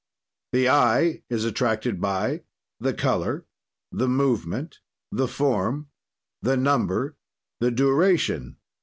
"The eye is attracted by: "The color. "The movement. "The form. "The number. "The duration.